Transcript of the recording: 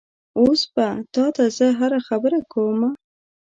اوس به تا ته زه هره خبره کومه؟